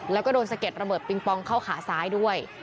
แล้วก็โดนสะเก็ดระเบิดปิงปองเข้าขาซ้ายด้วย